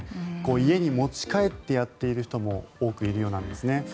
家に持ち帰ってやっている人も多くいるようなんですね。